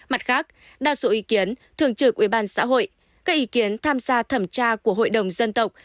mặt khác đa số ý kiến thường trực ubnd xã hội các ý kiến tham gia thẩm tra của hội đồng dân tộc